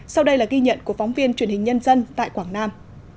sau đây là ghi nhận của phóng viên truyền hình nhân dân tại quảng nam